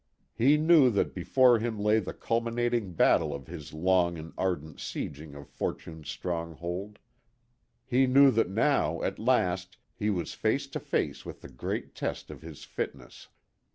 He knew that before him lay the culminating battle of his long and ardent sieging of Fortune's stronghold. He knew that now, at last, he was face to face with the great test of his fitness.